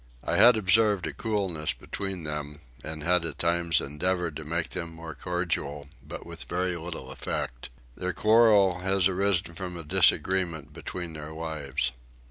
I had observed a coolness between them, and had at times endeavoured to make them more cordial, but with very little effect. Their quarrel has arisen from a disagreement between their wives.